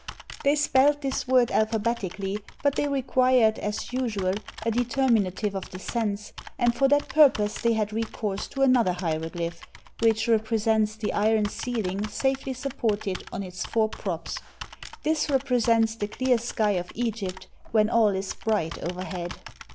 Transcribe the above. They spelled this word alphabeti (j ^ 5. cally, but they required, as usual, a de t a h [e] n terminative of the sense, and for that purpose they had recourse to another hierogl^^ph, Wf7?* which represents the iron ceiling safely supported 1 1 1 1 on its four props. This represents the clear sky of Egypt, when all is bright overhead.